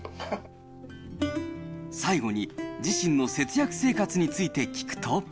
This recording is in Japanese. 最後に、自身の節約生活について聞くと。